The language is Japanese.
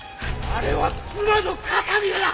あれは妻の形見だ！